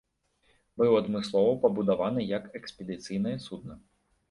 Быў адмыслова пабудаваны як экспедыцыйнае судна.